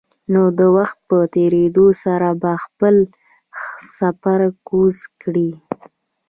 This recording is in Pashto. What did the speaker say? نو د وخت په تېرېدو سره به خپل سپر کوز کړي.